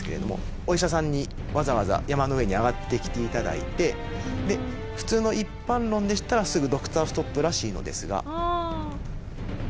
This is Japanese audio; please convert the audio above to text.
お医者さんにわざわざ山の上に上がってきて頂いてで普通の一般論でしたらすぐドクターストップらしいのですが。